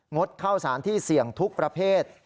ดเข้าสารที่เสี่ยงทุกประเภท